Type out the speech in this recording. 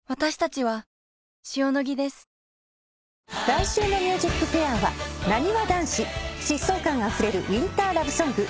来週の『ＭＵＳＩＣＦＡＩＲ』はなにわ男子疾走感あふれるウインターラブソング